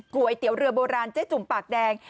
ก๋วยเตี๋ยวเรือโบราณเจ๊จุ่มปากแดง